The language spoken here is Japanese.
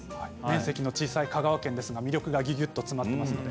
面積の小さい香川県ですが魅力が詰まっています。